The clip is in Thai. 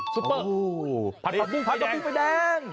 ซูเปอร์ผัดกระปุ้งไฟแดง